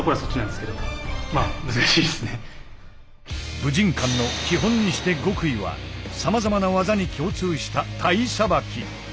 武神館の基本にして極意はさまざまな技に共通した体さばき。